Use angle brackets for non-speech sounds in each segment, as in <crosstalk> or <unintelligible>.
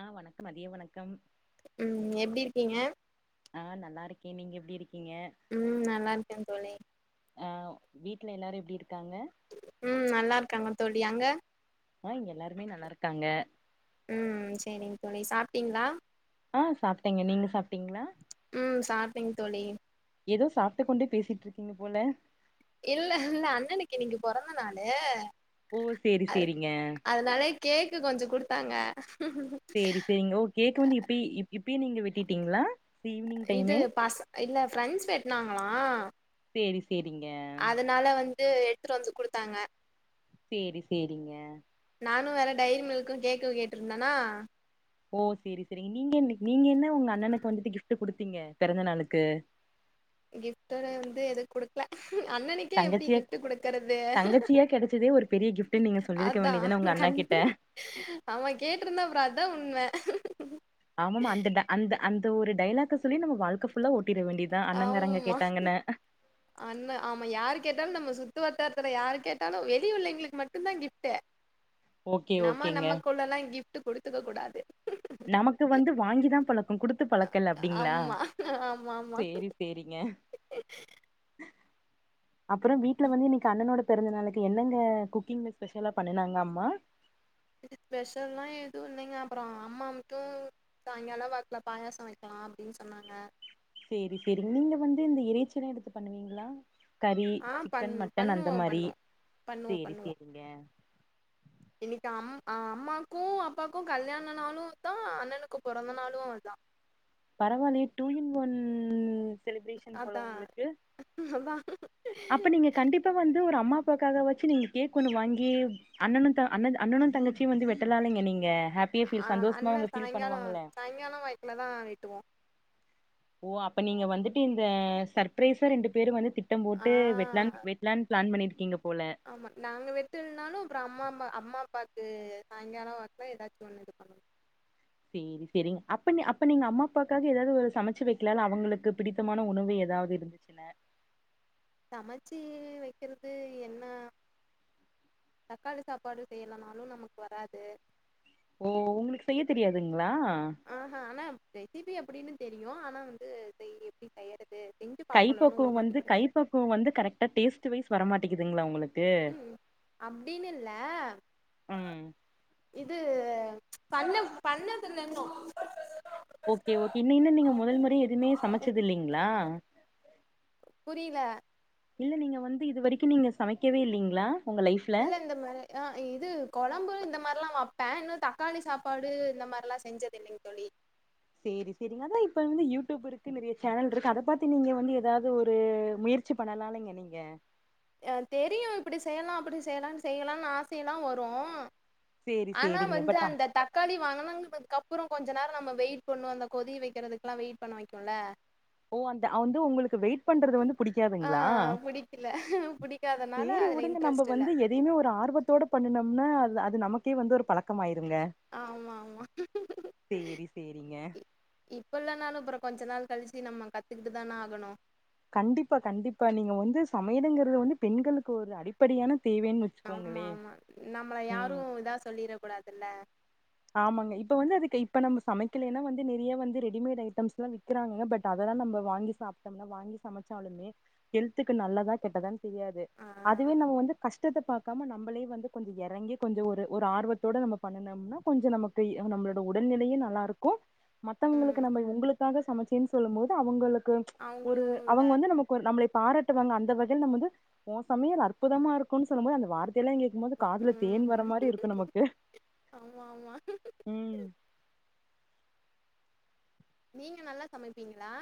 ஆ வணக்கம் மதிய வணக்கம் ம் எப்டி இருக்கீங்க ஆ நல்லா இருக்கே நீங்க எப்டி இருக்கீங்க ம் நல்லாருக்கே தோழி ஆ வீட்டில எல்லாரு எப்டி இருக்காங்க ம் நல்லா இருக்காங்க தோழி அங்க ஆ இங்க எல்லாருமே நல்லா இருக்காங்க ம் சரிங்க தோழி சாப்ட்டீங்களா ஆ சாப்ட்டேங்க நீங்க சாப்ட்டீங்களா ம் சாப்டேங் தோழி எதோ சாப்ட்டு கொண்டு பேசிட்டுருக்கீங்க போல இல்ல இல்ல அண்ணனுக்கு இன்னிக்கி பொறந்த நாளு ஓ சேரி அது சேரிங்க அதுனால கேக்கு கொஞ்சோ கொடுத்தாங்க சேரி சேரிங்க ஓ கேக் வந்து இப்பய இப் இப்பயே நீங்க வெட்டிட்டீங்களா ஈவினிங் இது டைமே பச இல்ல ஃபிரெண்ட்ஸ் வெட்னாங்களா சேரி சேரிங்க அதனால வந்து எடுத்துட்டு வந்து குடுத்தாங்க சேரி சேரிங்க நானு வேற டைரி மில்க்கு கேக்கு கேட்டிருந்தேனா ஓ சேரி சேரிங்க நீங்க என் நீங்க என்ன உங்க அண்ணனுக்கு வந்துட்டு கிஃப்ட்டு குடுத்தீங்க பிறந்த நாளுக்கு கிஃப்ட வந்து எது குடுக்கல அண்ணனே கு எப்டி தங்கச்சியா கிஃப்ட் குடுக்கிறது தங்கச்சியா கெடச்சதே ஒரு பெரிய கிஃப்ட்ன்னு நீங்க சொல்லிருக்க அதா வேண்டியதான உங்க அண்ணா கண் கிட்ட அவன் கேட்ருந்தா அப்றோ அதா உண்ம ஆமா அந்தந்த அந்த ஒரு டைலாக்க சொல்லி நம்ம வாழ்க்க ஃபுல்லா ஓட்டிர வேண்டியது தா அண்ணங்காரங்க ஆமா கேட்டாங்கன்னு அண்ண ஆமா யார் கேட்டாலு நம்ம சுத்து வட்டாரத்துல யாரு கேட்டாலு வெளிய உள்ளங்களுக்கு மட்டு தா கிப்ட்டு <inaudible> நம்ம ஓகேங்க. நம்மக்குள்ளல்லாம் கிஃப்ட் குடுத்துக்க கூடாது நமக்கு வந்து வாங்கி தா பழக்கம் கொடுத் த்து பழக்கல அப்டிங்களா ஆமா ஆமாமா சேரி சேரிங்க <inaudible> அப்றோ வீட்ல வந்து இன்னிக்கு அண்ணனோட பிறந்த நாளுக்கு என்னங்க குக்கிங்ல ஸ்பெஷலா பண்ணுனாங்க அம்மா ஸ்பெஷல்லாம் எதுவு இல்லங்க அப்புறம் அம்மா மட்டு சாய்ங்காலாம் வாக்குல பாயாசம் வைக்கலா அப்டின்னு சொன்னாங்க சேரி சேரி நீங்க வந்து இந்த இறைச்சில்லா எடுத்து பண்ணுவீங்களா கறி ஆ பண் சிக்கன் மட்டன் அந்த பண்ணுவோம் மாரி பண்ணுவோம் சேரி சேரிங்க இன்னிக்கி அம் அம்மாக்கு அப்பாக்கு கல்யாணனாளு தா அண்ணனுக்கு பொறந்தநாளு தா பரவால்லயே டூ இன் ஒன் செலிப்ரேஷன் போல அதான் உங்களுக்கு அதான் அப்ப நீங்க கண்டிப் பா வந்து ஒரு அம்மா அப்பாவுக்காக வச்சு நீங்க கேக் ஒன்னு வாங்கி அண்ணனு த அண்ணன் அண்ணனு தங்கச்சிய வந்து வெட்டலலாலங்க நீங்க ஹாப்பியா ஃபீல் சந்தோஷமா அவங்க ஃபீல் பண்ணுவாங்கல்ல <unintelligible> வெட்டுவோ ஓ அப்ப நீங்க வந்துட்டு இந்த சர்பரைஸா ரெண்டு பேரு வந்து திட்டம் போட்டு ஆ வெட்டாலு வெட் ல்லான்னு பிளான் பண்ணிருக்கீங்க போல ஆமா நாங்க வெட்டல்நாலு அப்றோ அம்மா அம்மா அம்மா அப்பாக்கு சாங்கால வாக்குல எதாச்சு ஒன்னு இது பண்ணுவோ சேரி செரிங் அப்ப நீ அப்ப நீங்க அம்மா அப்பாக்காக எதாவ்து ஒரு சமைச்சு வெக்கலால்ல அவங்களுக்கு பிடித்தமான உணவு எதாவ்து இருந் ஃப்ரிட்ஜில சமச்சி வெக்கிறது என்ன தக்காளி சாப்பாடு செய்யலானாலு நமக்கு வராது ஓ உங்களுக்கு செய்ய தெரியாதுங்ளா ஆஹா ஆனா ரெசிபி எப்பிடின்னு தெரியு ஆனா வந்து செய் எப்டி செய்யறது தா கைப்பக்குவொ வந்து கைப்பக்குவொ வந்து கரெக்டா டேஸ்ட் வைஸ் வர மாட்டேங்குதுங்ளா உங்களுக் ம் அப்டின் இல்ல ம் இது பண்ண பண்ணதில்லன்னு ஓகே ஓகே இன்னு நீங்க முதல் முறை எதுமே சமைச்சத் இல்லைங்ளா புரியில இல்ல நீங்க வந்து இது வெரைக்கூ நீங்க சமைக்கவே இல்லிங்ளா இல்ல இல்ல மாரி ஆ இது கொழம்பு இந்த மார்லா வப்பே இன்னு தக்காளி சாப்பாடு இந்த மால்லா செஞ்சத் இல்லைங்க தோழி சேரி சரிங்க அதா இப்ப வந்து யூடியூப் இருக்கு நிறைய சேனல் இருக்கு அத பாத்து நீங்க வந்து ஏதாது ஒரு முயற் ச்சி பண்ணலாலைங்க நீங்க ஏ தெரியு இப்டி செய்யலா அப்டி செய்யலானு செய்யலானு ஆசையெல்லா வரு சேரி ஆனா சேரிங்க வந்து பட் அந்த தக் தக்காளி வனங்குனதுக் அப்புறொ கொஞ்ச நேரொ நம்ம வெயிட் பண்ணு அந்த கொதி வைக்கிறதுக்கெல்லா வெயிட் பண்ண வெக்குல்ல ஓ அந்த அந்து உங்களுக்கு வெயிட் க் பண்றது வந்து ஆ புடிக்காதுங்ளா புடிக்கல புடிக்காதனால சேரி அதுல உடுங்க நம்ப இன்ட்ரெஸ்ட் இல்ல வந்து எ தையுமே ஒரு ஆர்வத்தோட பண்ணுனம்னா அது அது நமக்கே வந்து ஒரு பழக்கம் ஆயிருங்க ஆமா ஆமா சேரிங்க இப்ப இல்லனாலு அப்புறொ கொஞ்ச நாள் கழிச்சு நம்ம கத்துக்கிட்டு தான ஆகணு கண்டிப்பா கண்டிப்பா நீங்க வந்து சமையலுங்கறது வந்து பெண்களுக்கு ஒரு அடிப்படையான தேவேன்னு ஆமா ஆமா நம்மள யாரு இதா சொல்லிற கூடாதுல்ல ஆமாங்க இப்ப வந்து அதுக்கு இப்ப நம்ப சமெக்கலேன்னா வந்து நெறைய வந்து ரெடிமேடு ஐட்டம்ஸ் லா விக் விக்கிரானுங்க பட் அதெல்லா நம்ப வாங்கி சாப்ட்டம்னா வாங்கி சமச்சாலுமே ஹெல்த்துக்கு நல்லதா கெட்டதான் தெரியாது ஆ அதுவு நம்ம வந்து கஸ்ட் ட்டத பாக்காம நம்பளே வந்து கொஞ்சொ எறங்கி கொஞ்சொ ஒரு ஒரு ஆர்வத்தோடு நம்ம பண்ணுனம்னா கொஞ்ச நமக்கு நம்மளோட உடல்நிலையு நல்லா இருக்கூ மத்தவங்களுக்கு ம் நம்ம உங்களுக்காக சமைச் ச்சின் சொல்லும் போது அவுங்களுக்கு அவங்களு ஒரு இதா அவங்க வந்து நமக்கு நம்மளே பாராட்டுவாங்க அந்த வகைல்ல நம்ம வந்து ஒ சமையல் அற்புதமா இருக்கூன் சொல்லும்போது அந்த வார்த்தையில கேக் ம்போது இருப்பாங்க. காதுல தேன் வர ம் மாரி இருக்கு நமக்கு ஆமா ஆமா ம் நீங்க நல்லா சமைப்பீங்களா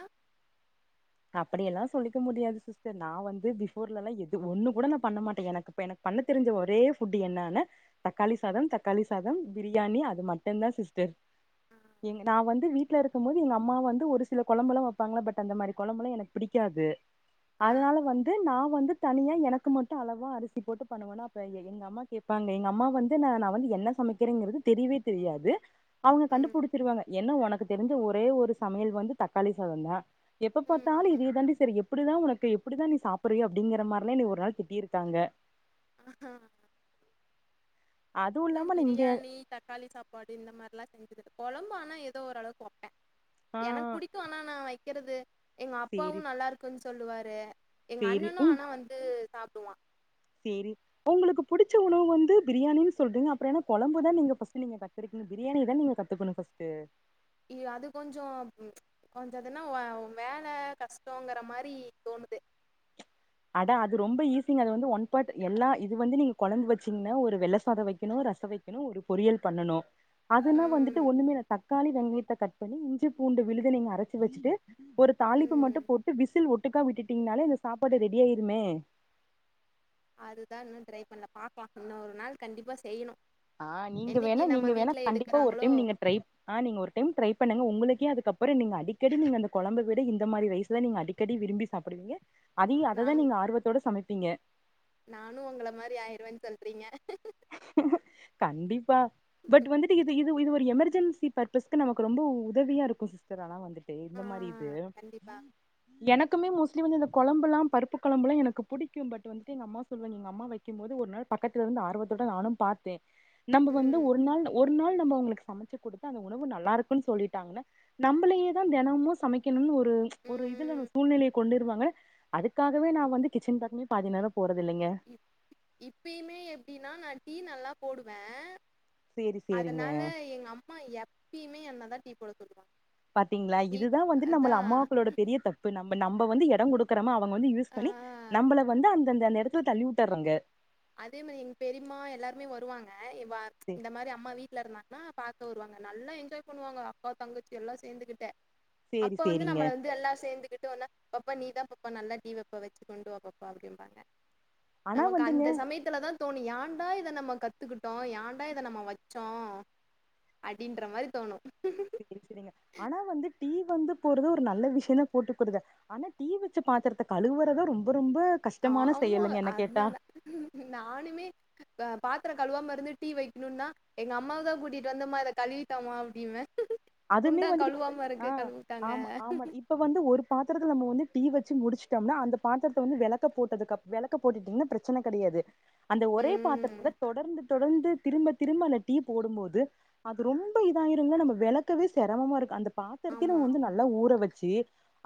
அப்படியெல்லா சொல்லிக்க முடியாது சிஸ்டர் நா வந்து பிஃபோர் லலா எது ஒண்ணு கூட நா பண்ண மாட்டே எனக் அப்ப எனக் பண்ண தெரி்ஞ்ச ஒரே ஃபுட்டு என்னான்னு தக்காளி சாதம் தக்காளி சாதம் பிரியாணி அது மட்டுந்தா சிஸ்டர் ஆ எங் நா வந்து வீட்ல இரக்கும் போது எங்க அம்மா வந்து ஒரு சில கொழம்பல்லா வப்பாங்களா பட் அந்த மாரி கொழம்புல்லா எனக் பிடிக்காது ஆ அதனால வந்து நா வந்து தனியா எனக்கு மட்டு அளவா அரிசி போட்டு பண்ணுவனா அப்ப என் எங்க அம்மா கேப்பாங்க எங்க அம்மா வந்து நா நா வந்து என்ன சமைக்கிறேங்கறது தெரியவே தெரியாது அவுங்க ம் கண்டுபிடித்துருவாங்க ஏன்னா எனக்கு தெரிஞ்ச ஒரே ஒரு சமையல் வந்து தக்காளி சாதந்தா எப்ப ம் பாத்தாலு ம் இதே தாண்டி செய்ர எப்பிடிதா உனக்கு எப்டிதா நீ சாப்றயோ அப்டிங்கிற மார் லா என்னய ஒரு நாள் திட்டிருக்காங்க ஆஹா அதுவு இன்னும் இல்லாம நா இங்க பிரியாணி த தக்காளி சாப்பாடு இந்த மார்லா <unintelligible> கொழம்பு ஆனா ஏதோ ஒரளவுக் வப்பே ஆ எனக் புடி புடிக்கும் ஆனா நான் வைக்கறது எங்க சேரி அப்பாவு நல்லா இருக்குன்னு சொல்லுவாரு எங்க சேரி அண்ணனு ஆனா வந்து சாப்டுவா சரி உங்களுக்கு புடிச்ச உணவு வந்து பிரியாணின்னு சொல்றீங்க அப்புறம் என்ன கொழம்பு தா நீங்க பஸ்ட் நீங்க கத்துருக்கீங்க பிரியாணிய தா நீங்க த்துகணு பஸ்ட்டு இ அது கொஞ்சம் கொஞ்ச அதுன்னா வேல கஷ்டோங்கற மாரி தோணுது அட அது ரொம்ப ஈசிங்க அது வந்து ஒன் பாட் எல்லா இது வந்து நீங்க கொழம்பு வச்சீங்ன்னா ஒரு வெள்ள சாதோ வெக்கணு ரச வெக் அப்பறோ ஒரு பொறியல் பண்ணணு அதுனா வந்துட்டு ம் ஒண்ணுமே இல்ல, தக்காளி வெங்கயத்த கட் பண்ணி இஞ்சி பூண்டு விழுத நீங்க அரச்சு வெச்சுட்டு ஒரு தாளிப்பு மட்டு ம் போட்டு விசில் ஒட்டுக்கா விட்டுட்டீங்னாலே இந்த சாப்பாடு ரெடி ஆயிருமே அதுதன் இன்னம் ட்ரை பண்ணல பார்கலா இன்னொரு நாள் கண்டிப்பா செய்யணு ஆஹ் நீங்க வேணா நீங்க வேணா கண்டிப்பா ஒரு எடுக்குறாங்களோ டைம் நீங்க ட்ரை ஆ நீங்க ஒரு டைம் ட்ரை பண்ணுங்க உங்களுக்கே அதுக்கப்புற நீங்க அடிக்கடி நீங்க அந்த குழம்ப விட இந்த மாரி ரைஸ்லாம் நீ அடிக்க கறி விரும்பி சாப்பிடுவீங்க அதையு அததா நீங்க ஆர்வத்தோட சமைப்பீங்க நானு உங்கள மாரி ஆயிருவேன் சொல்றீங்க கண்டிப்பா பட் வந்துட்டு இது இது இது ஒரு எமர்ஜென்சி பர் சிஸ்டர் நமக்கு ரொம்ப உதவியா இருக்கும் சிஸ்டர் ஆனா வந்துட்டு ஆ இந்த மாதிரி இது கண்டிப்பா உம் <unintelligible> எனக்குமே மோஸ்ட்லி வந்து இந்த குழம்புல்லாம் பருப்பு குழம்புல்லா எனக்கு பிடிக்கு பட் வந்துட்டு அம்மா சொல்லும் எங்க அம்மா வைக் இருக்கும்போது ஒரு நாள் பக்கத்தில இருந்து ஆர்வத்தோட நானு பார்த்தே நம்ம வந்து ம் ஒரு நாள் ஒரு ஒரு நாள் நம்ம அவுங்களுக்கு சமைச்சு கொடுத்தா அந்த உணவு நல்லாருக்குன்னு சொல்லிட்டாங்கன்னா நம்மளே தா தினமும் சமைக்கணும்னு ஒரு ஒரு இதுல ம் சூழ்நிலையை கொண்டிருவாங்க அதுக்காகவே நா வந்து கிச்சன் பாக்கமே பாதி நேரோ போறதில்லைங்க இப்பயுமே எப்படின்னா நான் டீ நல்லா போடுவே சேரி சேரிங்க அதனால எங்க அம்மா எப்பயுமே என்னதான் டீ போட சொல்வாங்க பாத்தீங்களா இதுதா வந்து நம்மள அம்மாக்களோட பெரிய தப்பு இப்ப நம்ம நம்ம வந்து இடம் கொடுக்குறமா அவங்க வந்து யூஸ் ஆ பண்ணி நம்மள வந்து அந்தந்தந்த நேரத்துல தள்ளி விட்டுறாங்க அதே மாதிரி எங் பெரிம்மா எல்லாருமே வருவாங்க இவ இந்த மாரி அம்மா வீட்ல இருந்தாங் நா பாக்க வருவாங்க நல்லா என்ஜாய் பண்ணுவாங்க அக்கா தங்கச்சி எல்லா சேந்துக்கிட்டு சேரி அப்ப வந்து சேரிங்க நம்மளை வந்து எல்லா சேர்ந்துகிட்டு ஒன்னா பாப்பா நீ தா பாப்பா நல்லா டீ வெப்ப வச்சு கொண்டு வாப்பாப்பா அப்படிம்பாங்க ஆனா நமக்கு அந் வந்துங்க சமயத்துலதா தோணு யாண்டா இதை நம்ம கத்துக்கிட்டோம் யாண்டா இதை நம்ம வச்சோ அப்படின்ற மாதிரி தோணு சரி சரிங்க ஆனா வந்து டீ வந்து போடுறது ஒரு நல்ல விஷ்யனா போட்டுக்குடுத ஆனா டீ வச்ச பாத்துறத்த கழுவுறதா ரொம்ப ரொம்ப கஷ்டமான ஆமா செயலுங்க என்ன கேட்டா அதான நானுமே பாத்திரம் கழுவாம இருந்து டீ வைக்கணும்ன்னா எங்க அம்மாவுதா கூட்டிட்டு வந்து ம்மா இத கழுவிதாம்மா அப்டிம்பே அதுமே குண்டான் வந்துட்டு கழுவாம ஆ இருக்கு கழுவ உட்டாங்க ஆமா ஆமா இப்ப வந்து ஒரு பாத்திரத்தை நம்ம வந்து டீ வச்சு முடிச்சுட்டோம்னா அந்த பாத்திரத்தை வந்து விளக்க போட்டதுக்குப்புறம் விளக்க போட்டுட்டீங்கன்னா பிரச்சனை கிடையாது அந்த ஒரே ம் பாத்திரத்துல தொடர்ந்து தொடர்ந்து திரும்ப திரும்ப அந்த டீ போடும்போது அது ரொம்ப இதாயிரும்ங்க நம்ம விளக் வெளக்கவே சிரமமா இருக்கு அந்த பாத்திரத்தயே நா ஆமா வந்து நல்லா ஊற வெச்சு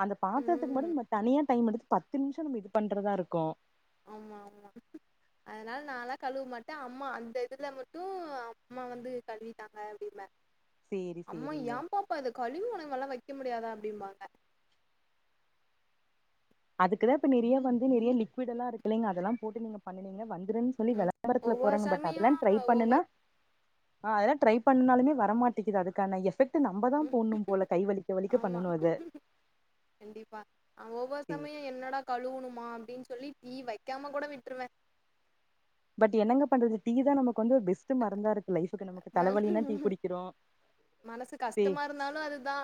அந்த பாத்திரத்துக் ம் மட்டு ந தனியா டைம் எடுத்து பத்து நிமிஷம் நம்ம இது பண்றதா இருக்கு ஆமா ஆமா அதனால நாலா கழுவ மாட்ட அம்மா அந்த இதுல மட்டு அம்மா வந்து கழுதாங்க அப்படிம்ப சேரி அம்மா சேரிங்க ஏம்பாப்பா இத கழிவி உனவெல்லா வெக்க முடியாதா அப்டிம்பாங்க அதுக்குதா இப்ப நிறைய வந்து நிறைய லிக்விட்டெல்லா இருக்குல்லிங்க அதெல்லா போட்டு நீங்க பண்ணுணீங்கனா வந்துருன் தோழி ம் விளம்பரத்துல ஒவ்வொரு போட்றாங்க பட் சமயோ அதெல்லா ட்ரை பண்ணுனா ஒவ்வொரு ஆ அதெல்லா ட்ரை பண்ணாலுமே வர மாட்டிக்குது அதுக்கான எஃபெக்ட் த்து நம்பதா ம் போட்ணு போல கை வலிக்க வலிக்க ஆமா பண்ணணு அத கண்டிப்பா ஒவ்வொரு சேரி சமயோ என்னடா கழுவுணுமா அப்படின்னு சொல்லி டீ வெக்காம கூட விட்ருவ பட் என்னங்க பண்றது டீ தா நமக்கு வந்து பெஸ்ட் மருந்தா இருக்கு லைஃபுக்கு நமக்கு தலவலின்னா டீ ம- குடிக்கறோ மனசு கஷ்டமா இருந்தாலு அதுதா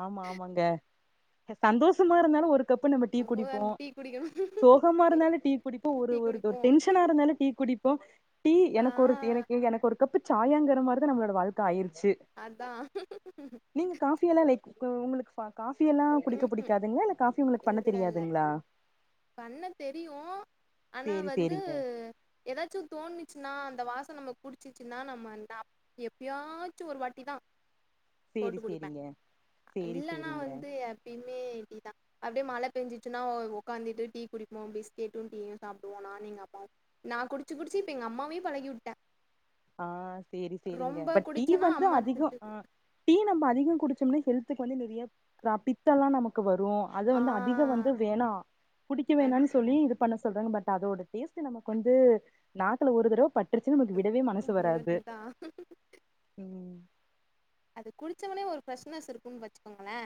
ஆமா ஆமாங்க சந்தோஷமா இருந்தாலு ஒரு கப்பு நம்ம டீ ஒவ்வொரு குடிப்போ டீ குடிக்கணும் சோகமா இருந்தாலு டீ குடிப்போ ஒரு டீ ஒரு ஒரு குடிப்போம் ஷனா இருந்தாலு டீ குடிப்போ டீ ஆ எனக்கொரு எனக் ஏ எனக்கு ஒரு கப்பு சாயங்கர மார் தா நம்மளோட வாழ்க்க ஆயிருச்சி அதா நீங்க காஃபி எல்லா லைக் உங்க உங்களுக்கு பா காபி எல்லா குடிக்க ம்ஹும். புடிக்காதுங்களா இல்ல காபி உங்களுக்கு பண்ண தெரியாதுங்களா பண்ணத் தெரியு அனா வந் செரிங்க எதாச்சு தோணுச்சுன்னா அந்த வாசோ நமக்கு புடிச்சுச்சுன்னா நம்ம எப்பயாச்சு ஒரு வாட்டி தா போட்டு சேரி குடிப்ப சேரிங்க சேரி இல்லன்னா சேரிங்க வந்து யார் எப்பையுமே டீ தா அப்டே மழ பேஞ்சிச்சுன்னா <inaudible> உக்காந்தீட்டு டீ குடிப்போ பிஸ்கேட்டு டீயு சாப்டுவோ நானு எங்கம்மாவு நா குடிச்சு குடிச்சு இப்ப எங்க அம்மாவயு பழக்கிவுட்டே ஆ சேரி சேரிங்க பட் டீ குடித்தேன்னா வந்து அம்மா அதிகோ ஆ திட்டு டீ நம்ம அதிகோ குடிச்சோம்னா ஹெல்த்துக்கு வந்து நெறைய பித்தெல்லா நமக்கு வரு அத ஆ வந்து அதிக வந்து அது வேணா குடிக்க வேணானு சொல்லி இது பண்ண சொல்றாங்க பட் அதோட டேஸ்ட்டு நமக்கு வந்து நாக்குல ஒரு தரவ பட் டுருச்சு நமக்கு விடவே மனசு வராது தான் ம் அது குடிச்சவுனே ஒரு ஃபிரஷ்னஸ் இருக்குன்னு வச்சுக்கோங்கலே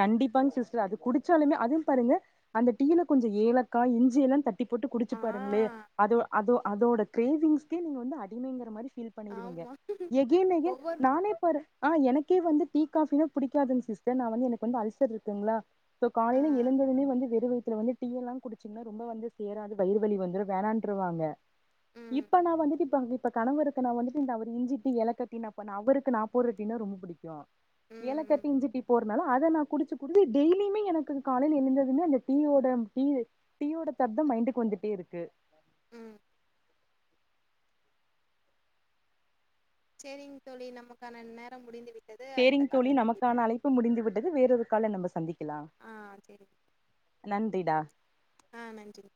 கண்டிப்பாங்க சிஸ்டர் அது குடிச்சாலுமே அதுவு பாருங்க அந்த டீயில கொஞ்ச ஏலக்கா இஞ்சி எல்லா தட்டி போட்டு குடிச்சு ஆ பாருங்களே அதோ அதோ அதோட கிரேவிங்ஸ்க்கே நீங்க வந்து அடிமைங்கிற மாரி ஃபீல் பண்ணிருவீங்க ஆமாம் எகைன் எகைன் ஒவ்வொரு நானே பாரு ஆ எனக்கே வந்து டீ காப்பினா புடிக்காதுங் சிஸ்டர் நா வந்து எனக்கு வந்து அல்சர் இருக்குங்களா சோ ஆ காலயில எழுந்ததுமே வந்து வெறு வயத்துல வந்து டீயெல்லா குடிச்சிங்கன்னா ரொம்ப வந்து சேராது வயிறு வலி வந்துரு வேணான்டுருவாங்க ம் இப்ப நா வந்துட்டு இப்ப <inaudible> இப்ப கணவருக்கு நா வந்துட்டு இந்த அவர் இஞ்சி டீ ஏலக்கா டீ நா பண்ண அவருக்கு நா போடுற டீனா ரொம்ப புடிக்கு ம் ஏலக்கா டீ ம் இஞ்சி டீ போர்னால அத நா குடிச்சு குடுச்சு டெய்லியுமே எனக்கு இது காலையில எழுந்ததுமே அந்த டீ ஓட டீ டீயோட தாட் தா மைண்டுக்கு வந்துட்டே இருக்கு ம் சேரிங் தோழி நமக்கான நேரம் முடிந்து விட் சேரிங் தோழி நமக்கான அழைப்பு முடிந்து விட்டது வேற ஒரு கால்ல நம்ம சந்திக்கலா ஆ சேரி நந்திடா ஆ மஞ்சிரி